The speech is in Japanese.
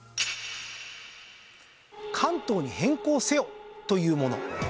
関東に変更せよというもの。